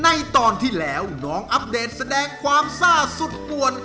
ในตอนที่แล้วน้องอัปเดตแสดงความซ่าสุดป่วน